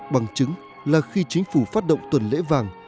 bằng chứng là khi chính phủ phát động tuần lễ vàng